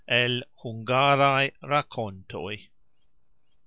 El "Hungaraj Rakontoj".